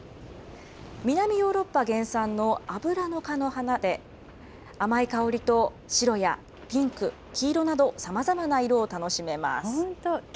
南ヨーロッパ原産のアブラナ科の花で、甘い香りと白やピンク、黄色などさまざまな色を楽しめます。